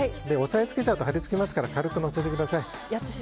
押さえつけちゃうと貼りついちゃいますから軽く載せてください。